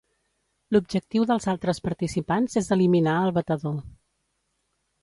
L'objectiu dels altres participants és eliminar el batedor.